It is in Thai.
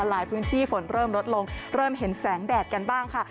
หลายพื้นที่ฝนเริ่มลดลงเริ่มเห็นแสงแดดกันบ้างค่ะ